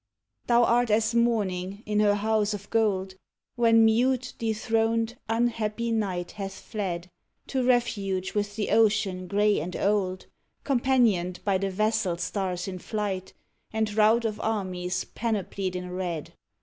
Thou art as Morning in her house of gold, When mute, dethroned, unhappy Night hath fled To refuge with the ocean grey and old, Companioned by the vassal stars in flight, And rout of armies panoplied in red.